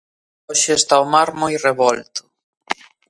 Hoxe está o mar moi revolto.